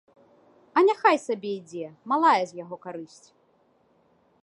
А няхай сабе ідзе, малая з яго карысць.